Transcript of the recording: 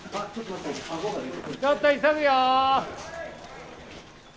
ちょっと急ぐよ。